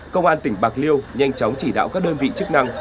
công an tỉnh bạc liêu nhanh chóng chỉ đạo các đơn vị chức năng